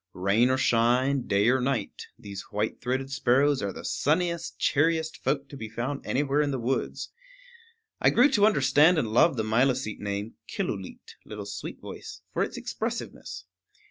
Rain or shine, day or night, these white throated sparrows are the sunniest, cheeriest folk to be found anywhere in the woods. I grew to understand and love the Milicete name, Killooleet, Little Sweet Voice, for its expressiveness.